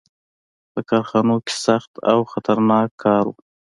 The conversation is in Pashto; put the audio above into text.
• په کارخانو کې سخت او خطرناک کار و.